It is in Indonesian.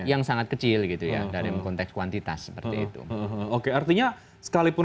yang sangat kecil gitu ya dalam konteks kuantitas seperti itu oke artinya sekalipun